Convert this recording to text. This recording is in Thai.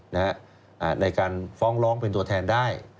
ในการฟ้องร้องเป็นตัวแทนได้